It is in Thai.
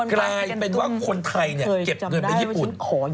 กลายเป็นว่าคนไทยเนี่ยเก็บเงินไปญี่ปุ่น